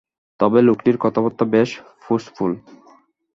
তবে লোকটির কথাবার্তা বেশ ফোর্সফুল।